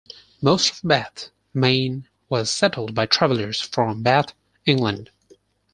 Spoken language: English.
Most of Bath, Maine, was settled by travelers from Bath, England.